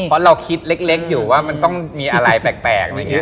เพราะเราคิดเล็กอยู่ว่ามันต้องมีอะไรแปลก